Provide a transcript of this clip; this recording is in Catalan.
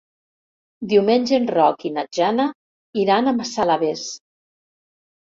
Diumenge en Roc i na Jana iran a Massalavés.